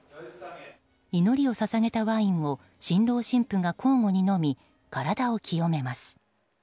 祈りを捧げたワインを新郎新婦が交互に飲み体を清めます。